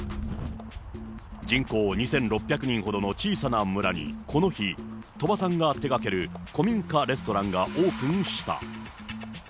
人口２６００人ほどの小さな村に、この日、鳥羽さんが手がける古民家レストランがオープンした。